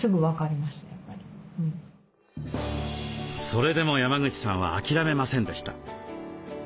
それでも山口さんは諦めませんでした。